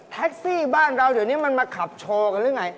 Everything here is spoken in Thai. แท็กซี่บ้านเราเดี๋ยวนี้มันมาขับโชว์กันหรือยังไง